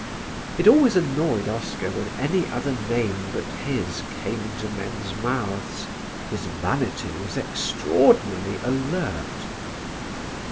It always annoyed Oscar when any other name but his came into men's mouths: his vanity was extraordinarily alert.